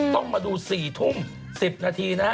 ต้องมาดู๔ทุ่ม๑๐นาทีนะฮะ